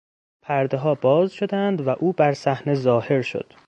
پردهها باز شدند و او برصحنه ظاهر شد.